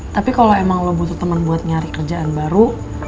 tapi kalo emang lu butuh temen buat nyari kerjaan baru